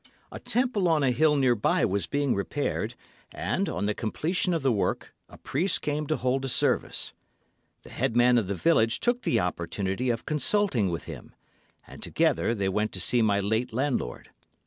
A temple on a hill near by was being repaired, and, on the completion of the work, a priest came to hold a service. The head man of the village took the opportunity of consulting with him, and together they went to see my late landlord.